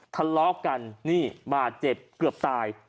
ทะเลาะกันนี่บาดเจ็บเกือบตาย